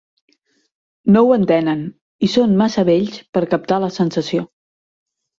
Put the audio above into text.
No ho entenen i són massa vells per captar la sensació.